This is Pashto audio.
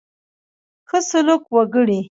ښه سلوک وکړي.